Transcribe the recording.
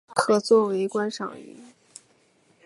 可做为观赏鱼。